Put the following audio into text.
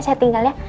saya tinggal dulu